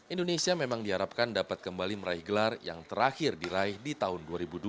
indonesia memang diharapkan dapat kembali meraih gelar yang terakhir diraih di tahun dua ribu dua puluh